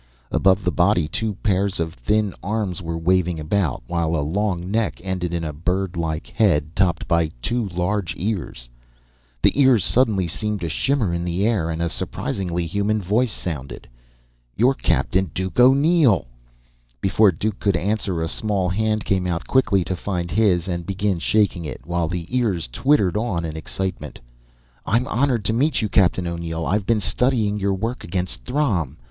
Above the body, two pairs of thin arms were waving about, while a long neck ended in a bird like head, topped by two large ears. The ears suddenly seemed to shimmer in the air, and a surprisingly human voice sounded. "You're Captain Duke O'Neill!" Before Duke could answer, a small hand came out quickly to find his and begin shaking it, while the ears twittered on in excitement. "I'm honored to meet you, Captain O'Neill. I've been studying your work against Throm.